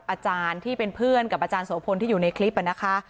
อาจารย์ที่เป็นเพื่อนกับอาจารย์โสพลที่อยู่ในคลิปนะคะ